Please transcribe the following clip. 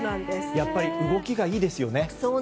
やっぱり動きがいいですよね。